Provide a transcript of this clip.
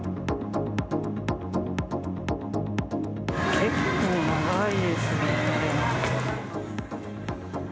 結構長いですね。